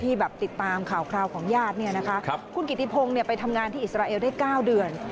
ที่ติดตามข่าวของญาติคุณกิติพงไปทำงานที่อิสราเอลได้๙เดือน